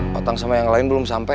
potong sama yang lain belum sampai